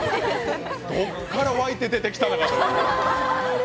どこからわいて出てきたのかと。